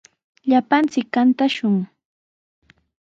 Llapanchik kantashun.